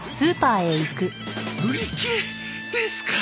売り切れですか。